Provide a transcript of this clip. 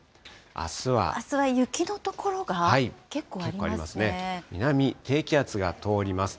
あすは雪の所が結構ありますね。